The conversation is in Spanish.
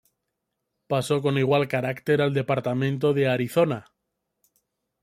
Pasó con igual carácter al Departamento de Arizona.